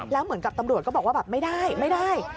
แล้วเหมือนกับตำรวจก็บอกว่าแบบไม่ได้ไม่ได้